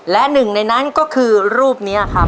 และหนึ่งในนั้นก็คือรูปนี้ครับ